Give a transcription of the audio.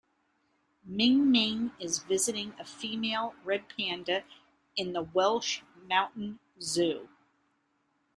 Ming Ming is visiting a female red panda in the Welsh Mountain Zoo.